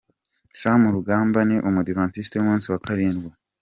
Sam Rugamba ni umudivantisti w’umunsi wa Karindwi .